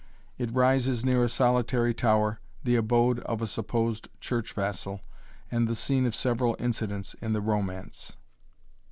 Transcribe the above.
It rises near a solitary tower, the abode of a supposed church vassal, and the scene of several incidents in the Romance.